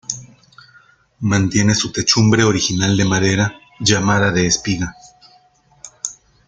Mantiene su techumbre original de madera, llamada de espiga.